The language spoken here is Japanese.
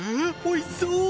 おいしそう！